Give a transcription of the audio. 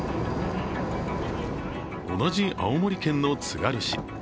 同じ青森県のつがる市。